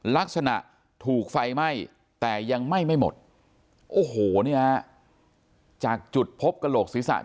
ลักษณะถูกไฟไหม้แต่ยังไหม้ไม่หมดโอ้โหเนี่ยจากจุดพบกระโหลกศีรษะ